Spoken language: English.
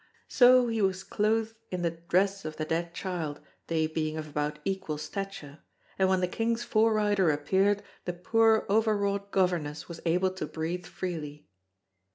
So he was clothed in the dress of the dead child, they being of about equal stature; and when the King's fore rider appeared the poor overwrought governess was able to breathe freely.